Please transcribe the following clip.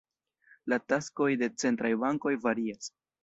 La taskoj de centraj bankoj varias.